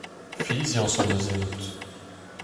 Fiziañs hon eus ennout.